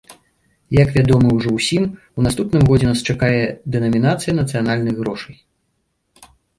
Як вядома ўжо ўсім, у наступным годзе нас чакае дэнамінацыя нацыянальных грошай.